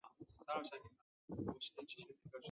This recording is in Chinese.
有许多妇女